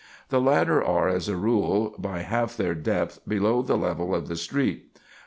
The latter are, as a rule, by half their depth below the level of the street.